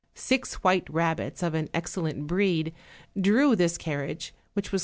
Six white rabbits, of an excellent breed, drew this carriage, which was.